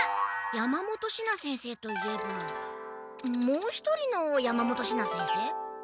山本シナ先生といえばもう一人の山本シナ先生？